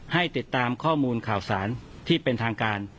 ให้ติดตามข้อมูลข่าวสารที่เป็นทางการ